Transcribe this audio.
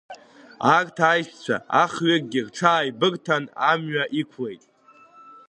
Арҭ аишьцәа ахҩыкгьы рҽааибырҭан амҩа иқәлеит.